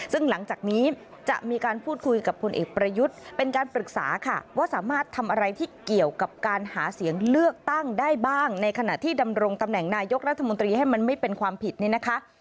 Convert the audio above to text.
ซึ่งหลังจากนี้จะมีการพูดคุยกับพลเอกประยุทธ์เป็นการปรึกษาค่ะว่าสามารถทำอะไรที่เกี่ยวกับการหาเสียงเลือกตั้งได้บ้างในขณะที่ดำรงตำแหน่งนายกรัฐมนตรีให้มันไม่เป็นความผิดเนี่ยนะคะ